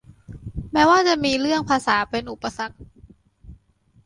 แม้ว่าจะมีเรื่องภาษาเป็นอุปสรรค